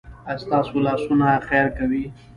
ایا ستاسو لاسونه خیر کوي؟